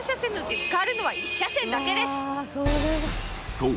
そう。